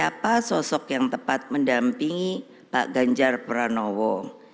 siapa sosok yang tepat mendampingi pak ganjar pranowo